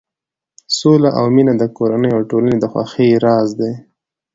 سوله او مینه د کورنۍ او ټولنې د خوښۍ راز دی.